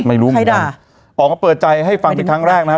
ไม่รู้ใครด่าอ๋อเขาเปิดใจให้ฟังทีครั้งแรกนะฮะ